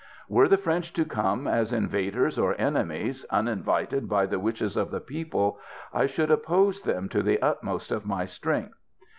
Were the French to come as invaders or enemies, uninvited by the wishes of the people, 1 should oppose them to the utmost of my strength.